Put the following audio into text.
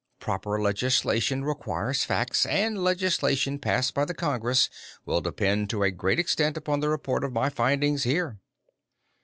Proper legislation requires facts, and legislation passed by the Congress will depend to a great extent upon the report on my findings here."